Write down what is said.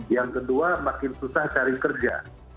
yang kedua makin susah cari kerja